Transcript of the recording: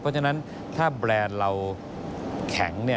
เพราะฉะนั้นถ้าแบรนด์เราแข็ง